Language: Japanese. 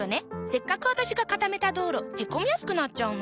せっかく私が固めた道路へこみやすくなっちゃうの。